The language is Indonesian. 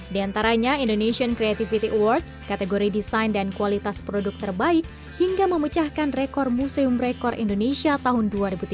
di antaranya indonesian creativity award kategori desain dan kualitas produk terbaik hingga memecahkan rekor museum rekor indonesia tahun dua ribu tiga puluh